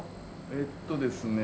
えっとですね